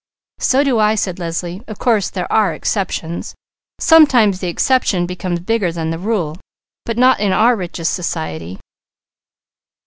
"So do I," said Leslie. "Of course there are exceptions. Sometimes the exception becomes bigger than the rule, but not in our richest society.